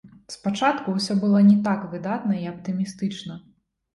Спачатку ўсё было не так выдатна і аптымістычна.